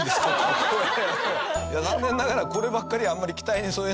残念ながらこればっかりはあんまり期待に沿えなくて。